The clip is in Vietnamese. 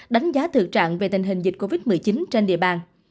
đánh giá thực trạng về tình hình dịch covid một mươi chín trên địa bàn